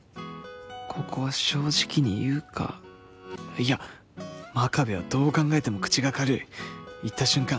ここは正直に言うかいや真壁はどう考えても口が軽い言った瞬間